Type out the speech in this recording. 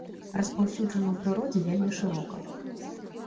Распаўсюджаны ў прыродзе вельмі шырока.